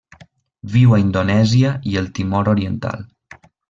Viu a Indonèsia i el Timor Oriental.